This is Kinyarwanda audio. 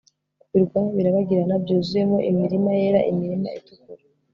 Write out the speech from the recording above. Ku birwa birabagirana byuzuyemo imirima yera imirima itukura